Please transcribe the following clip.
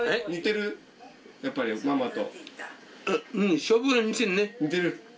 やっぱりママと。